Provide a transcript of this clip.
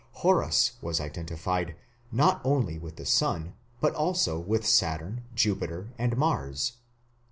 Horus was identified not only with the sun but also with Saturn, Jupiter, and Mars.